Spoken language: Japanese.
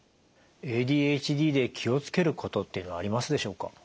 ＡＤＨＤで気を付けることっていうのはありますでしょうか？